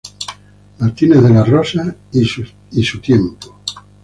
Martinez de la Rosa y sus tiempos.